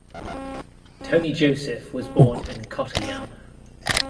Tony Joseph was born in Kottayam.